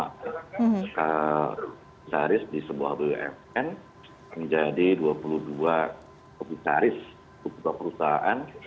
komisaris di sebuah bumn menjadi dua puluh dua komisaris di sebuah perusahaan